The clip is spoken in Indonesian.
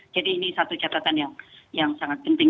jadi ini satu catatan yang sangat penting